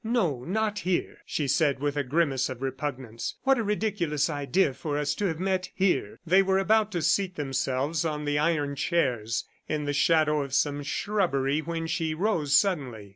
"No; not here," she said with a grimace of repugnance. "What a ridiculous idea for us to have met here!" They were about to seat themselves on the iron chairs, in the shadow of some shrubbery, when she rose suddenly.